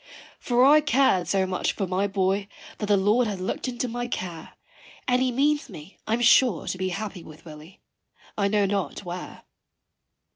For I cared so much for my boy that the Lord has looked into my care, And He means me I'm sure to be happy with Willy, I know not where.